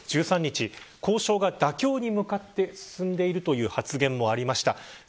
１３日、交渉が妥協に向かって進んでいるという発言もありました。